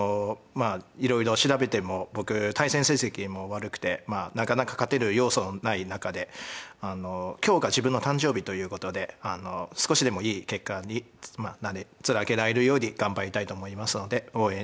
いろいろ調べても僕対戦成績も悪くてまあなかなか勝てる要素がない中で今日が自分の誕生日ということで少しでもいい結果につなげられるように頑張りたいと思いますので応援